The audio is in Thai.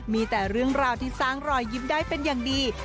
มีแต่เรื่องราวที่สร้างรอยยิ้มได้เป็นอย่างดี